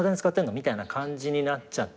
みたいな感じになっちゃって。